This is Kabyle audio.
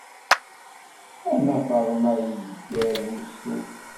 D nna Faḍma i yeggaren ustu.